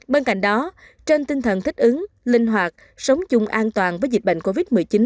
bên cạnh đó trên tinh thần thích ứng linh hoạt sống chung an toàn với dịch bệnh covid một mươi chín